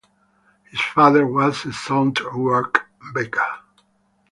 His father was a Southwark baker.